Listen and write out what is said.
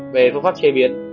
về phương pháp chế biến